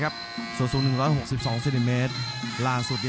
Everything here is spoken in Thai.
รับทราบบรรดาศักดิ์